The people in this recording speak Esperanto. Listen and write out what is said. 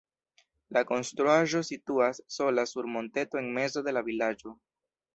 La konstruaĵo situas sola sur monteto en mezo de la vilaĝo.